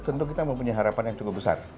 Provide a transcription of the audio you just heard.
tentu kita mempunyai harapan yang cukup besar